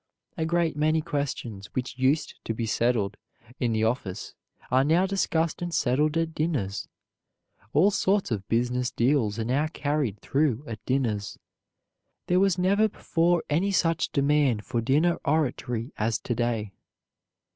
A great many questions which used to be settled in the office are now discussed and settled at dinners. All sorts of business deals are now carried through at dinners. There was never before any such demand for dinner oratory as to day.